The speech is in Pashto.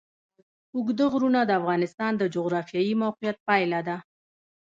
اوږده غرونه د افغانستان د جغرافیایي موقیعت پایله ده.